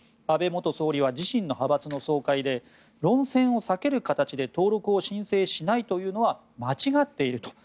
安倍元総理は自身の派閥の総会で論戦を避ける形で登録を申請しないというのは間違っている。